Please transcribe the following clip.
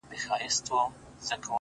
• پښتنو انجونو کي حوري پيدا کيږي؛